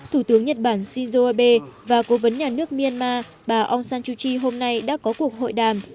thủ tướng nhật bản shinzo abe và cố vấn nhà nước myanmar bà aung san suu kyi hôm nay đã có cuộc hội đàm